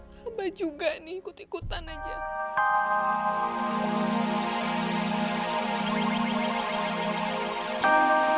hebat juga nih ikut ikutan aja